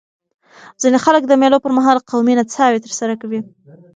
ځيني خلک د مېلو پر مهال قومي نڅاوي ترسره کوي.